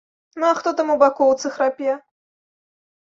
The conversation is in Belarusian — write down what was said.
Ну, а хто там у бакоўцы храпе?